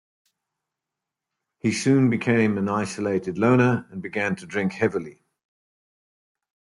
He soon became an isolated loner, and began to drink heavily.